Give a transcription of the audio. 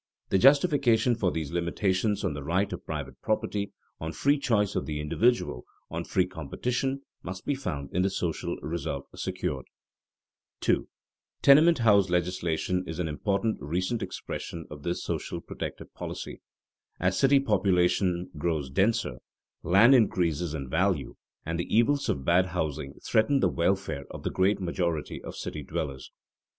The justification for these limitations on the right of private property, on free choice of the individual, on "free competition," must be found in the social result secured. [Sidenote: Tenement house laws in cities] [Sidenote: Interests affected] 2. Tenement house legislation is an important recent expression of this social protective policy. As city population grows denser, land increases in value, and the evils of bad housing threaten the welfare of the great majority of city dwellers.